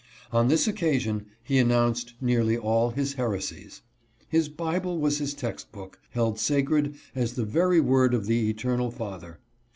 On this occasion he announced nearly all his heresies. His Bible was his text book— held sacred as the very word of the Eternal Father.